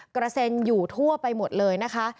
กระเซ็นอยู่ทั่วไปหมดเลยนะคะ